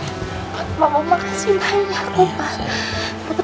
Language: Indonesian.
bapak makasih banyak pak